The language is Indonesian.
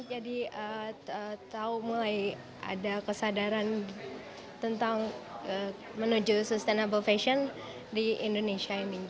tahu mulai ada kesadaran tentang menuju sustainable fashion di indonesia ini